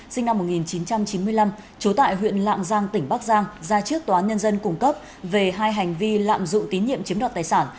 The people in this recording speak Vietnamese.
sinh năm một nghìn chín trăm chín mươi năm trú tại huyện lạng giang tỉnh bắc giang ra trước tòa nhân dân cung cấp về hai hành vi lạm dụng tín nhiệm chiếm đoạt tài sản